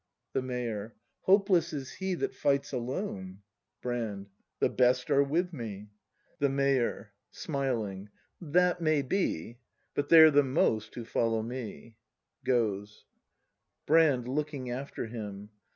The Mayor. Hopeless is he that fights alone. Brand. The best are with me. The Mayor. [Smiling.] That may be. But they're the most, who follow me. Brand. [Looking after him.